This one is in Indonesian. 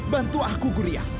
bantu aku gurian